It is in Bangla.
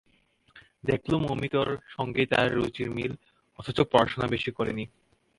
দেখলুম, অমিতর সঙ্গেই তাঁর রুচির মিল, অথচ পড়াশুনো বেশি করেন নি।